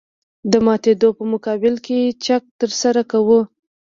د ماتېدو په مقابل کې چک ترسره کوو